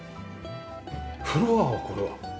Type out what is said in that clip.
フロアはこれは？